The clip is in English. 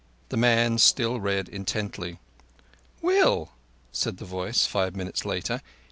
The man still read intently. "Will!" said the voice, five minutes later.